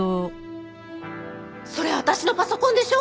それ私のパソコンでしょ？